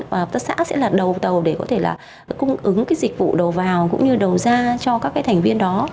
và hợp tác xã sẽ là đầu tàu để có thể là cung ứng cái dịch vụ đầu vào cũng như đầu ra cho các cái thành viên đó